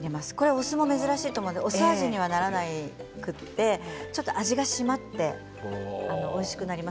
お酢は珍しいと思うんですがお酢の味にはならなくてちょっと味が締まっておいしくなります。